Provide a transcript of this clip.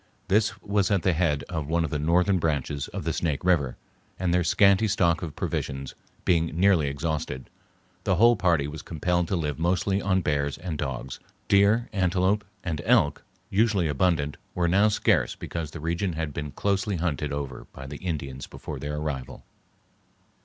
This was at the head of one of the northern branches of the Snake River, and, their scanty stock of provisions being nearly exhausted, the whole party was compelled to live mostly on bears and dogs; deer, antelope, and elk, usually abundant, were now scarce because the region had been closely hunted over by the Indians before their arrival.